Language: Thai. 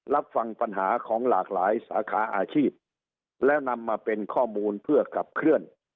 รับฟังปัญหาของหลากหลายสาขาอาชีพแล้วนำมาเป็นข้อมูลเพื่อขับเคลื่อน